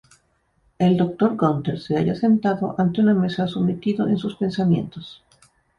El Dr. Gunther se halla sentado ante una mesa, sumido en sus pensamientos.